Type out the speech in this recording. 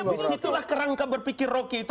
di situlah kerangka berpikir roky itu